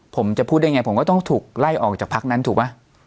ผมจะพูดได้ไงผมก็ต้องถูกไล่ออกจากพักนั้นถูกป่ะ